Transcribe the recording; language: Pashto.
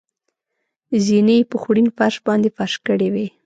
زېنې یې په خوړین فرش باندې فرش کړې وې.